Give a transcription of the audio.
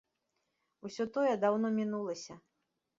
Усё тое даўно мінулася.